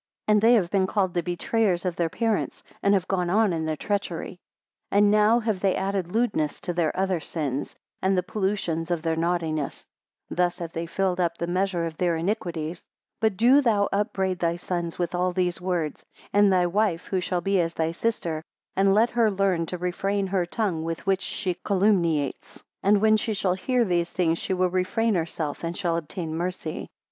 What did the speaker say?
And they have been called the betrayers of their parents, and have gone on in their treachery. 10 And now have they added lewdness to their other sins, and the pollutions of their naughtiness: thus have they filled up the measure of their iniquities. But do thou upbraid thy sons with all these words; and thy wife, who shall be as thy sister; and let her learn to refrain her tongue, with which she calumniates. 11 And when she shall hear these things, she will refrain herself, and shall obtain mercy.